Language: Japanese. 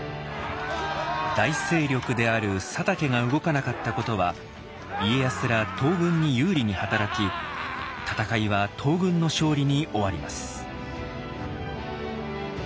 大勢力である佐竹が動かなかったことは家康ら東軍に有利に働き戦いは東軍の勝利に終わります。